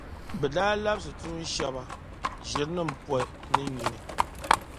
Bɛ daa labsi tuun’ shεba ʒirinim’ poi ni nyini.